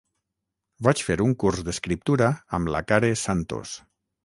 Vaig fer un curs d'escriptura amb la Care Santos.